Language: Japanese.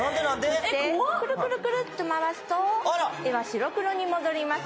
くるくるくるっと回すと絵は白黒に戻ります。